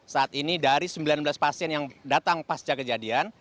saat ini dari sembilan belas pasien yang datang pasca kejadian